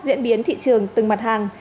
diễn biến thị trường từng mặt hàng